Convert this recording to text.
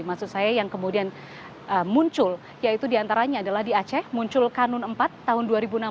maksud saya yang kemudian muncul yaitu diantaranya adalah di aceh muncul kanun empat tahun dua ribu enam belas